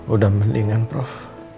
udah mendingan prof